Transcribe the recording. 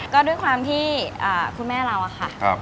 ก็ด้วยความที่คุณแม่เราอะค่ะ